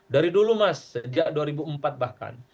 dari dulu mas sejak dua ribu empat bahkan